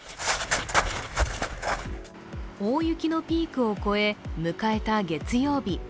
大雪のピークを越え、迎えた月曜日。